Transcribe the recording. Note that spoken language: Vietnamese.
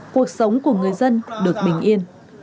cuộc sống của người dân được bình yên